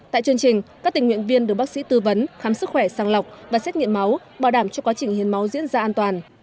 tại chương trình các tình nguyện viên được bác sĩ tư vấn khám sức khỏe sang lọc và xét nghiệm máu bảo đảm cho quá trình hiến máu diễn ra an toàn